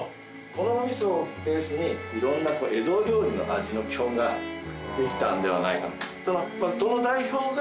このお味噌をベースにいろんな江戸料理の味の基本ができたのではないか。